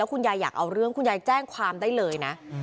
คุณยายอยากเอาเรื่องคุณยายแจ้งความได้เลยนะ